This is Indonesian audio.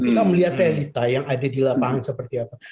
kita melihat realita yang ada di lapangan seperti apa